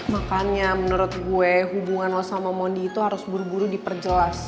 makanya menurut gue hubungan lo sama mondi itu harus buru buru diperjelas